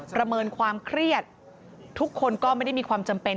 ประเมินความเครียดทุกคนก็ไม่ได้มีความจำเป็น